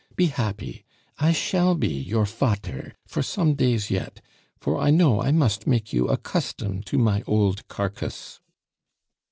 Be happy! I shall be your fater for some days yet, for I know I must make you accustom' to my old carcase."